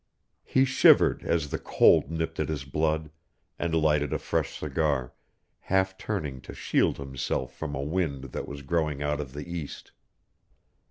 He shivered as the cold nipped at his blood, and lighted a fresh cigar, half turning to shield himself from a wind that was growing out of the east.